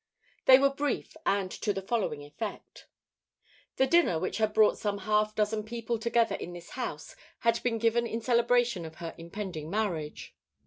They were brief and to the following effect: The dinner which had brought some half dozen people together in this house had been given in celebration of her impending marriage.